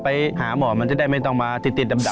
ไปหาหมอมันจะได้ไม่ต้องมาติดดับ